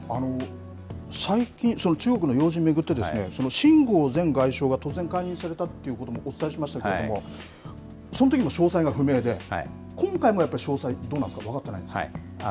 最近、その中国の要人を巡って、秦剛前外相が突然解任されたっていうこともお伝えしましたけれども、そのときも詳細が不明で、今回もやっぱり詳細、どうなんですか、分かってないんですか？